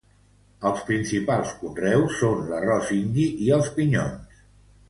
Els principals conreus són l'arròs indi i els pinyons.